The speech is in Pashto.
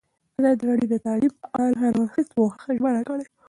ازادي راډیو د تعلیم په اړه د هر اړخیز پوښښ ژمنه کړې.